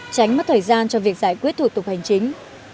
tránh mất thời gian cho việc giải quyết thủ tục hành chính